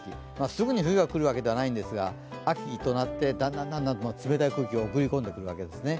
すぐに冬が来るわけではないですが秋となって、だんだん冷たい空気を送り込んでくるわけですね。